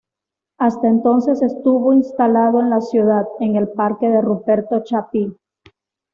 Hasta entonces estuvo instalado en la ciudad, en el Parque de Ruperto Chapí.